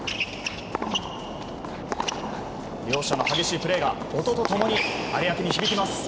両者の激しいプレーが音と共に有明に響きます。